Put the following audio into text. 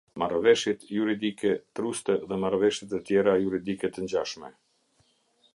Marrëveshjet juridike - truste dhe marrëveshje të tjera juridike të ngjashme.